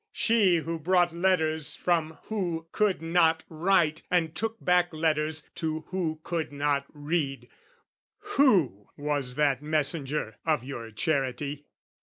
"She who brought letters from who could not write, "And took back letters to who could not read, "Who was that messenger, of your charity?"